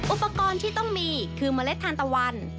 อุปกรณ์ที่ต้องมีคือเมล็ดทานตะวัน